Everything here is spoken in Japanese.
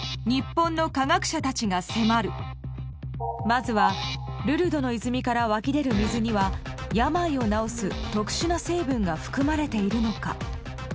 まずはルルドの泉から湧き出る水には病を治す特殊な成分が含まれているのか？